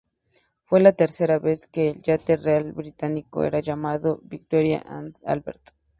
Fue la tercera vez que el yate real británico era llamado "Victoria and Albert.